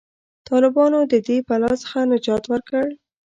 طالبانو د دې بلا څخه نجات ورکړ.